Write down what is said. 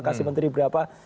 kasih menteri berapa